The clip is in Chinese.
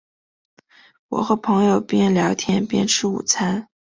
我和朋友边聊天边吃午餐